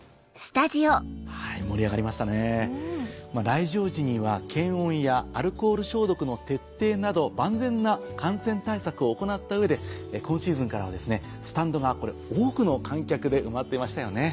来場時には検温やアルコール消毒の徹底など万全な感染対策を行った上で今シーズンからはですねスタンドが多くの観客で埋まっていましたよね。